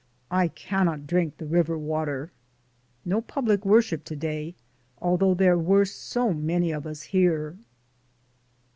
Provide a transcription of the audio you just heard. I cannot drink the river water. No public worship to day, although there were so many of us here.